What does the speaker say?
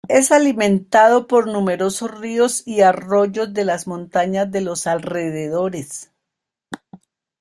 Es alimentado por numerosos ríos y arroyos de las montañas de los alrededores.